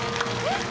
えっ？